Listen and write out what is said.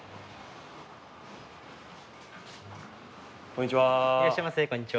こんにちは。